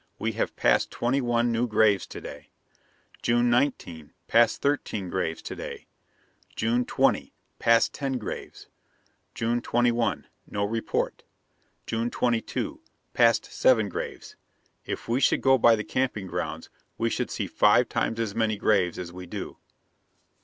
We have passed twenty one new graves today. June 19. Passed thirteen graves today. June 20. Passed ten graves. June 21. No report. June 22. Passed seven graves. If we should go by the camping grounds, we should see five times as many graves as we do.